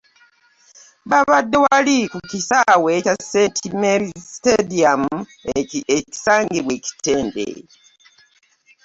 Baabadde wali ku kisaawe kya St. Mary's Stadium ekisangibwa e Kitende.